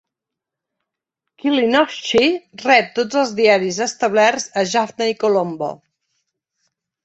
Kilinochchi rep tots els diaris establerts a Jaffna i Colombo.